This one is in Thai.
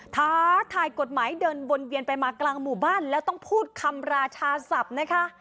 ท้าทายกฎหมายเดินวนเวียนไปมากลางหมู่บ้านแล้วต้องพูดคำราชาศัพท์นะคะ